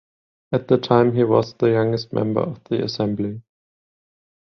At the time he was the youngest member of the Assembly.